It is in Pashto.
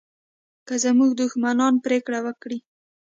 که زموږ دښمنان پرېکړه وکړي